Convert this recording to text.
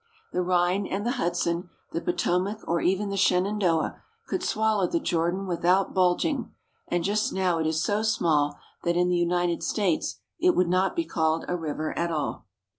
The Rhine and the Hudson, the Po tomac, or even the Shenandoah, could swallow the Jordan without bulging, and just now it is so small that in the United States it would not be called a river at all.